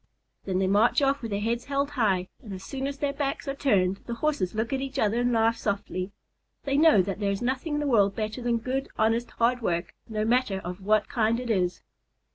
Then they march off with their heads held high, and as soon as their backs are turned, the Horses look at each other and laugh softly. They know that there is nothing in the world better than good, honest, hard work, no matter of what kind it is.